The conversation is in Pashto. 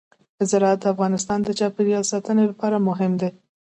زراعت د افغانستان د چاپیریال ساتنې لپاره مهم دي.